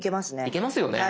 いけますよね。